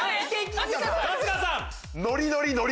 こ春日さん。